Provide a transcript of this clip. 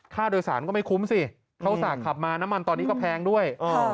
ค่าโดยสารก็ไม่คุ้มสิเขาอุตส่าห์ขับมาน้ำมันตอนนี้ก็แพงด้วย